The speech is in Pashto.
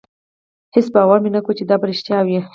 هېڅ باور یې نه کاوه چې دا به رښتیا وي.